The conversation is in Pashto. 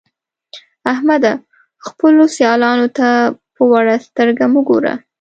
احمده! خپلو سيالانو ته په وړه سترګه مه ګوه.